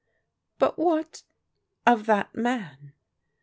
" But what — of that man?